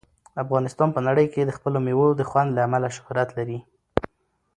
افغانستان په نړۍ کې د خپلو مېوو د خوند له امله شهرت لري.